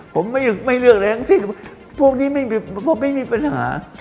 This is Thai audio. ผมไม่เลือกแรงทั้งสิ้นพวกนี้ไม่มีปัญหา